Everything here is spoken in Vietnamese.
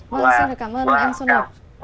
vâng xin cảm ơn tác giả